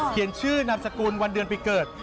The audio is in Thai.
เขียนชื่อนำสกุลวันเดือนพลิเกิด